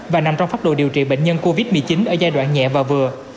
và nằm trong phác đồ điều trị bệnh nhân covid một mươi chín ở giai đoạn nhẹ và vừa